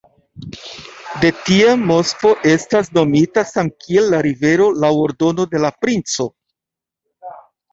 De tiam Moskvo estas nomita samkiel la rivero laŭ ordono de la princo.